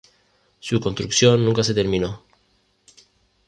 Su construcción nunca se terminó.